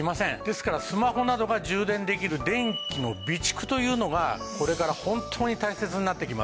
ですからスマホなどが充電できる電気の備蓄というのがこれから本当に大切になってきます。